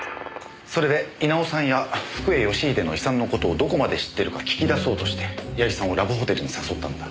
それで稲尾さんや福栄義英の遺産の事をどこまで知ってるか聞き出そうとして矢木さんをラブホテルに誘ったんだ。